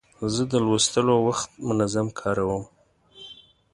زه د لوستلو وخت منظم کاروم.